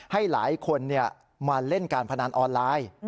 ให้หลายคนมาเล่นการพนันออนไลน์